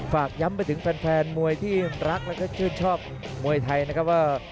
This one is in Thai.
ฝากย้ำไปถึงแฟนมวยที่รักแล้วก็ชื่นชอบมวยไทยนะครับว่า